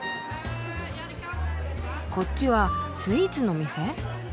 こっちはスイーツの店？